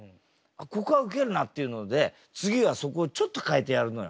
「ここはウケるな」っていうので次はそこをちょっと変えてやるのよ。